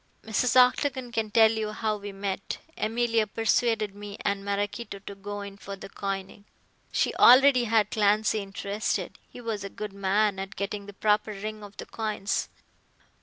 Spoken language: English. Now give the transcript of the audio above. Mrs. Octagon can tell you how we met. Emilia persuaded me and Maraquito to go in for the coining. She already had Clancy interested. He was a good man at getting the proper ring of the coins.